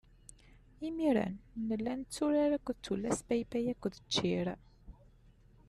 Imir-n nella netturar akked tullas paypay akked ččir.